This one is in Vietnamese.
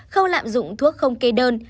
chín không lạm dụng thuốc không kê đơn